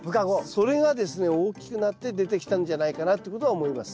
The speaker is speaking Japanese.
それがですね大きくなって出てきたんじゃないかなってことは思います。